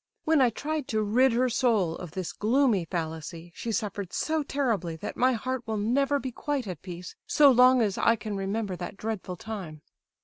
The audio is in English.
"When I tried to rid her soul of this gloomy fallacy, she suffered so terribly that my heart will never be quite at peace so long as I can remember that dreadful time!